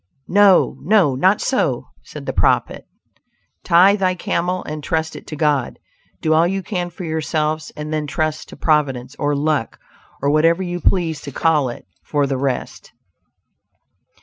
"No, no, not so," said the prophet, "tie thy camel, and trust it to God!" Do all you can for yourselves, and then trust to Providence, or luck, or whatever you please to call it, for the rest.